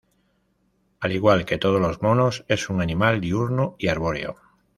Al igual que todos los monos, es un animal diurno y arbóreo.